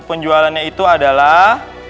penjualannya itu adalah